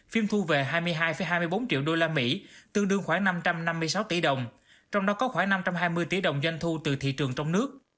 phim thu về hai mươi hai hai mươi bốn triệu usd tương đương khoảng năm trăm năm mươi sáu tỷ đồng trong đó có khoảng năm trăm hai mươi tỷ đồng doanh thu từ thị trường trong nước